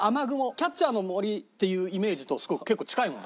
キャッチャーの森っていうイメージとすごく結構近いもの。